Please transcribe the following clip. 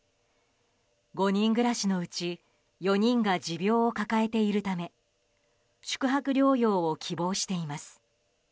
５人暮らしのうち４人が持病を抱えているため宿泊療養を希望しています。